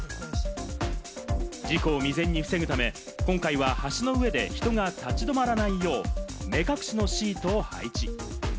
事故を未然に防ぐため、今回は橋の上で人が立ち止まらないよう、目隠しのシートを配置。